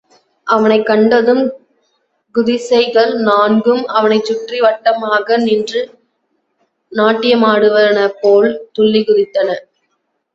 அவனைக் கண்டதும் குதிசைகள் நான்கும் அவனைச் சுற்றி வட்டமாக நின்று நாட்டியமாடுவன போல், துள்ளிக் குதித்தன.